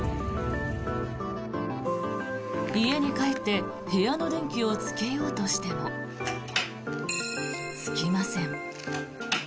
家に帰って部屋の電気をつけようとしてもつきません。